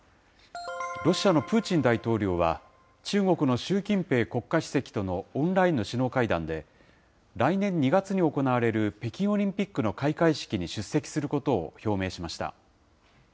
ロシアのプーチン大統領は、中国の習近平国家主席とのオンラインの首脳会談で、来年２月に行われる北京オリンピックの開会式に出席することを表明しました。